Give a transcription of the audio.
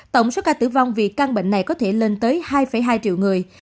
tổng số ca tử vong vì căn bệnh này có thể lên tới hai hai triệu người